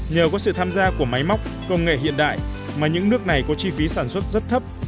nhờ có sự tham gia của máy móc công nghệ hiện đại mà những nước này có chi phí sản xuất rất thấp